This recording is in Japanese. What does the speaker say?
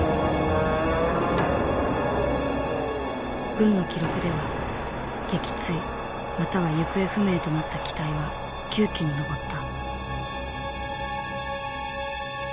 軍の記録では撃墜または行方不明となった機体は９機に上った。